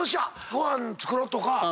ご飯作ろ！とか。